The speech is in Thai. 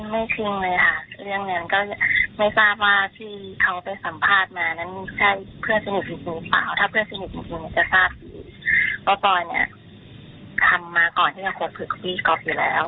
ไม่จริงเลยค่ะเรื่องนั้นก็ไม่ทราบว่าที่เขาไปสัมภาษณ์มานั้นมันใช่เพื่อนสนิทจริงหรือเปล่า